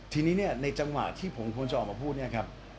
ทีนี้เนี่ยในจังหวะที่ผมควรจะออกมาพูดเนี่ยครับ